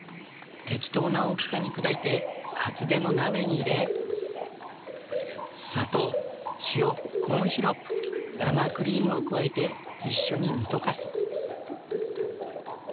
適当な大きさに砕いて厚手の鍋に入れ砂糖塩コーンシロップ生クリームを加えて一緒に煮溶かす。